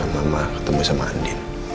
mama ketemu sama andin